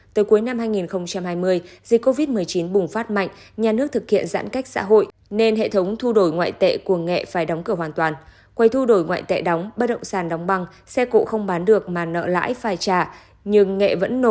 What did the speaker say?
từ cuối năm hai nghìn hai mươi dịch covid một mươi chín bùng phát mạnh nhà nước thực hiện giãn cách xã hội nên hệ thống thu đổi ngoại tệ của nghệ phải đóng cửa hoàn toàn quay thu đổi ngoại tệ đóng bất động sản đóng băng xe cộ không bán được mà nợ lãi phải trả nhưng